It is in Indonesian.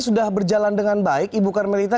sudah berjalan dengan baik ibu karmelita